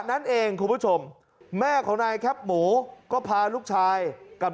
นั่นเองคุณผู้ชมแม่ของนายแคปหมูก็พาลูกชายกับ